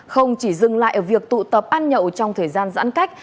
không chỉ dừng lại ở việc tụ tập ăn nhậu trong thời gian giãn cách